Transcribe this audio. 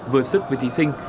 vượt sức với thí sinh